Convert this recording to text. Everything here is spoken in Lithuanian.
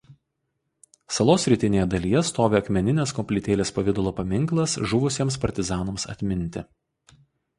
Salos rytinėje dalyje stovi akmeninės koplytėlės pavidalo paminklas žuvusiems partizanams atminti.